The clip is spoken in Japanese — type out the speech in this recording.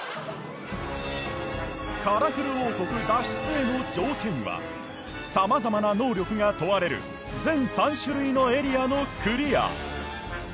カラフル王国脱出への条件は様々な能力が問われる全３種類のエリアのクリア。